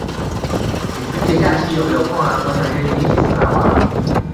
你春节假期有没有空呀？我想约你一起出来玩。